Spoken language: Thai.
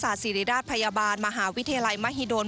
ศิริราชพยาบาลมหาวิทยาลัยมหิดล